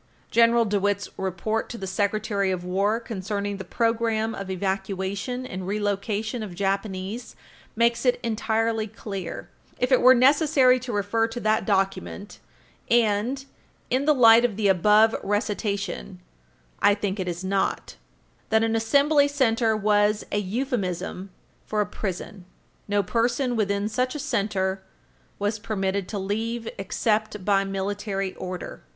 General DeWitt's report to the Secretary of War concerning the programme of evacuation and relocation of Japanese makes it entirely clear, if it were necessary to refer to that document and, in the light of the above recitation, I think it is not, that an Assembly Center was a euphemism for a prison. No person within such a center was permitted to leave except by Military Order.